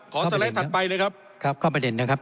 สไลด์ถัดไปเลยครับครับเข้าประเด็นนะครับ